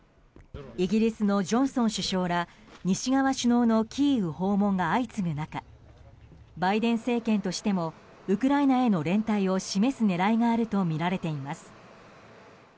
イギリスのジョンソン首相ら西側首脳のキーウ訪問が相次ぐ中バイデン政権としてもウクライナへの連帯を示す狙いがあるとみられています。